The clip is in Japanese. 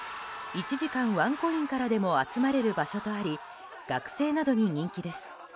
１時間、ワンコインからでも集まれる場所とあり学生などに人気です。